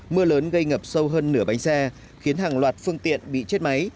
mưa lớn gây ngập sâu hơn nửa bánh xe khiến hàng loạt phương tiện bị chết máy